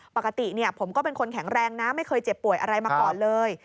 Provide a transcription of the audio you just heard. ปกติผมก็เป็นคนแข็งแรงนะไม่เคยเจ็บป่วยอะไรมาก่อนเลย